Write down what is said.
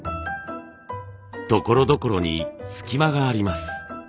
ところどころに隙間があります。